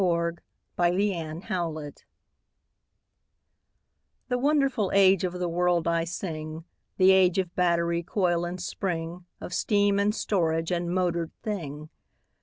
THE AGE OF MOTORED THINGS The wonderful age of the world I sing— The age of battery, coil and spring, Of steam, and storage, and motored thing.